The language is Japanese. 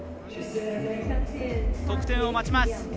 得点を待ちます。